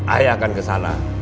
ayah akan kesana